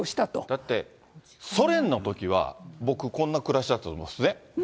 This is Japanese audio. だってソ連のときは、僕、こんな暮らしだったと思いますね。